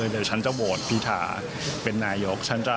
เดี๋ยวผมจะโรดพิธาเป็นนายก